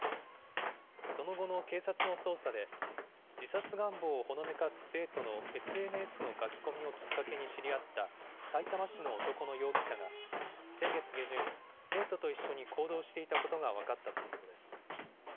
その後の警察の捜査で、自殺願望をほのめかす生徒のＳＮＳの書き込みをきっかけに知り合った、さいたま市の男の容疑者が先月下旬、生徒と一緒に行動していたことが分かったということです。